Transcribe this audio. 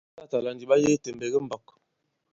Latatàla ndi ɓa yege i tèmbèk di i mɓɔ̄k.